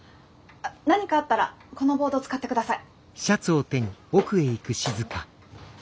何かあったらこのボード使ってください。